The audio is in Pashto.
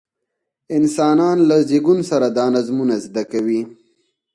انسانان له زېږون سره دا نظمونه زده کوي.